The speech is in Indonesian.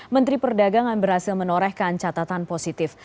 menteri perdagangan berhasil menorehkan catatan positif